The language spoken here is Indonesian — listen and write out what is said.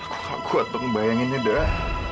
aku gak kuat untuk ngebayanginnya dah